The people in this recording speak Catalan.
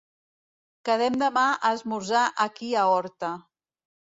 Quedem demà a esmorzar aquí a Horta.